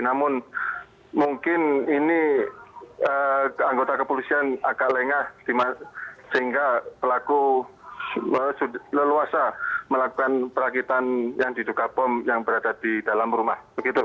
namun mungkin ini anggota kepolisian agak lengah sehingga pelaku leluasa melakukan perakitan yang diduga bom yang berada di dalam rumah